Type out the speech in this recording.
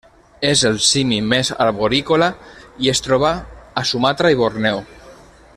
És el simi més arborícola i es troba a Sumatra i Borneo.